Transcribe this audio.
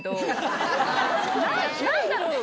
何だろう？